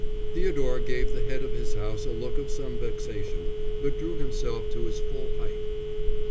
Theodore gave the head of his house a look of some vexation, but drew himself to his full height.